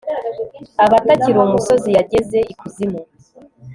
aba atakiri umusozi, yageze ikuzimu